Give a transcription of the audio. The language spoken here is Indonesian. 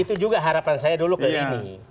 itu juga harapan saya dulu ke ini